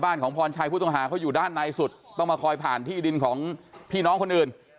ของพรชัยผู้ต้องหาเขาอยู่ด้านในสุดต้องมาคอยผ่านที่ดินของพี่น้องคนอื่น